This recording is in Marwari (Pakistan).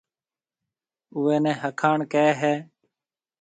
اوئيَ نيَ ھکايڻ ڪھيََََ ھيََََ